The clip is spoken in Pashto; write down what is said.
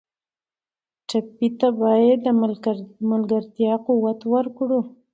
ټپي ته باید د ملګرتیا قوت ورکړو.